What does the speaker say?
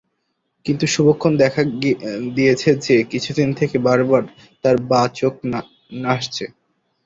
কিন্তু শুভলক্ষণ দেখা দিয়েছে যে, কিছুদিন থেকে বার বার তার বাঁ চোখ নাচছে।